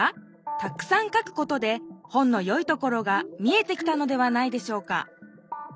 たくさん書くことで本のよいところが見えてきたのではないでしょうか。